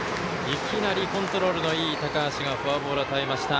いきなりコントロールのいい高橋がフォアボールを与えました。